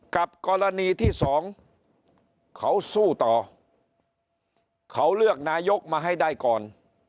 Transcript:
กับกรณีที่สองเขาสู้ต่อเขาเลือกนายกมาให้ได้ก่อน